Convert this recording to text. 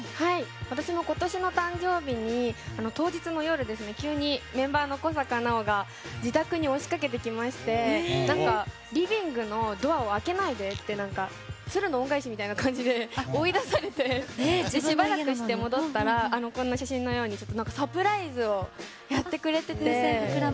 私も今年の誕生日に当日の夜、メンバーの小坂菜緒が自宅に押しかけてきましてリビングのドアを開けないでって「つるの恩返し」みたいな感じで追い出されてしばらくして戻ったらこの写真のようにサプライズをやってくれてて。